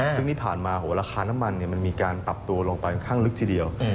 ซึ่งที่ผ่านมาราคาน้ำมันมันมีการปรับตัวลงไปค่อนข้างลึกทีเดียว